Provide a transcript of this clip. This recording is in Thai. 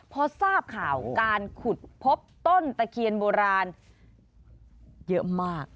พอทราบข่าวการขุดพบต้นตะเคียนโบราณเยอะมาก